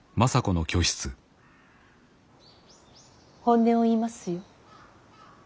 本音を言いますよ。